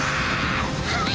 はい！